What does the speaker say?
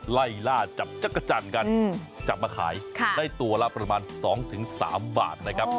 ไล่ล่าจับจักรจันทร์กันจับมาขายได้ตัวละประมาณ๒๓บาทนะครับ